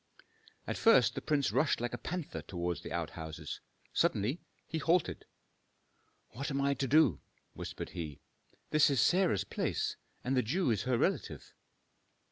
At first the prince rushed like a panther toward the outhouses. Suddenly he halted. "What am I to do?" whispered he. "This is Sarah's place, and the Jew is her relative."